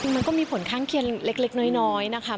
มันก็มีผลข้างเคียงเล็กน้อยนะคะ